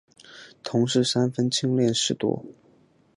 同事三分亲恋事多。